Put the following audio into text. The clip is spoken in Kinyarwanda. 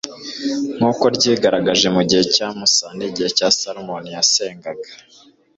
nk'uko ryigaragaje mu gihe cya musa n'igihe salomoni yasengaga